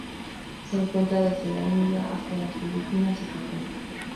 Se encuentra desde la India hasta las Filipinas y Japón.